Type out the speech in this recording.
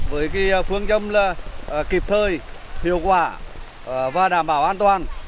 với phương châm là kịp thời hiệu quả và đảm bảo an toàn